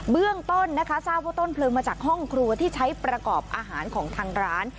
เบื้องต้นนะคะทราบว่าต้นเพลิงมาจากห้องครัวที่ใช้ประกอบอาหารของทางร้าน